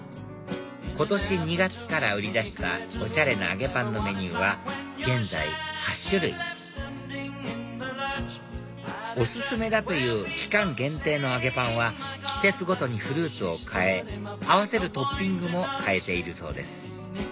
今年２月から売り出したおしゃれな揚げパンのメニューは現在８種類お薦めだという期間限定の揚げパンは季節ごとにフルーツを替え合わせるトッピングも替えているそうです